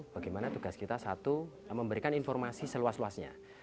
bagaimana tugas kita satu memberikan informasi seluas luasnya